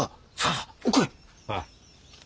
ああ。